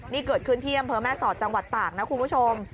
นี่เกิดขึ้นที่อำเภอแม่สอดจังหวัดตากนะคุณผู้ชม